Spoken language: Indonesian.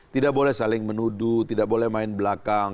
tidak boleh saling menuduh tidak boleh main belakang